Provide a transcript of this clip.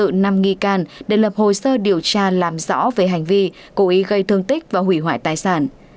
trần trung tín đã tạm giữ năm nghi can để lập hồ sơ điều tra làm rõ về hành vi cố ý gây thương tích và hủy hoại tài sản